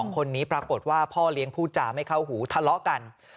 คนนี้ปรากฏว่าพ่อเลี้ยงพูดจาไม่เข้าหูทะเลาะกัน